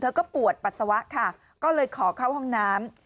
ก็ปวดปัสสาวะค่ะก็เลยขอเข้าห้องน้ำ